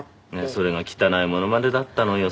それが汚いモノマネだったのよ